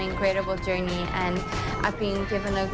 ต่ำแรงทรายเงินที่หมด